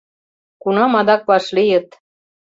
Кунам адак вашлийыт?